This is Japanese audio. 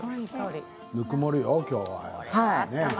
ぬくもるよ今日は。